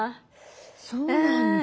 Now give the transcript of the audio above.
そうなんだ。